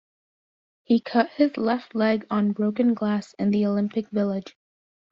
He cut his left leg on broken glass in the Olympic Village.